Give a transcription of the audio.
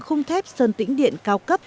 khung thép sơn tĩnh điện cao cấp